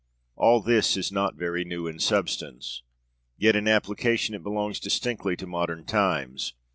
All this is not very new in substance, yet in application it belongs distinctly to modern times.